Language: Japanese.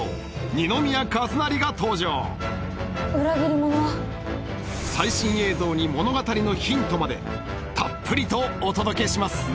二宮和也が登場裏切り者は最新映像に物語のヒントまでたっぷりとお届けします